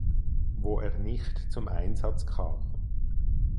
Wo er nicht zum Einsatz kam.